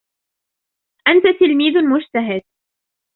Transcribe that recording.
انت تلميذ مجتهد